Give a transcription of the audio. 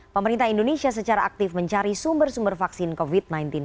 pemerintah indonesia secara aktif mencari sumber sumber vaksin covid sembilan belas